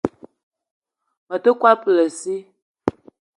Me te kwal poulassi